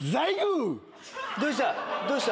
どうした？